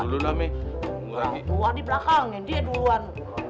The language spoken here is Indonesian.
dulu dulu lah di belakang ya dia duluan